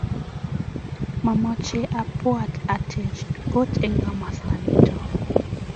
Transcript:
mamache a bwat a tech kot eng kimasta niton